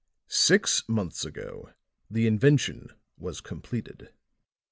Six months ago the invention was completed.